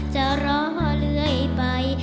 จะรอเรื่อยไป